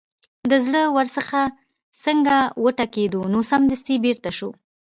د زړه ور چې څنګه وټکېد نو سمدستي بېرته شو.